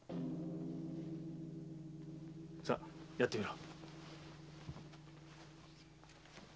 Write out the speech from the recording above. さあやってみろ。